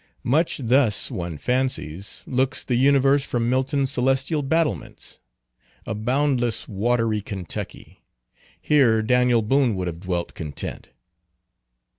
Much thus, one fancies, looks the universe from Milton's celestial battlements. A boundless watery Kentucky. Here Daniel Boone would have dwelt content.